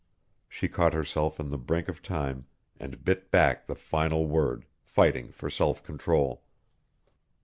She caught herself in the brink of time and bit back the final word, fighting for self control.